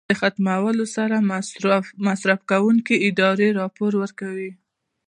د ختمولو سره مصرفوونکې ادارې راپور ورکوي.